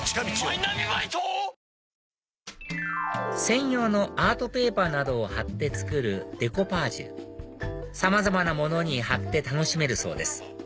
専用のアートペーパーなどを貼って作るデコパージュさまざまなものに貼って楽しめるそうです